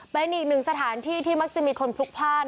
เป็นอีกหนึ่งสถานที่ที่มักจะมีคนพลุกพลาด